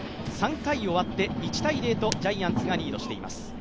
３回終わって１−０とジャイアンツがリードしています。